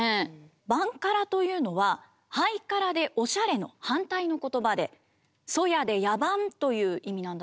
バンカラというのはハイカラでオシャレの反対の言葉で粗野で野蛮という意味なんだそうです。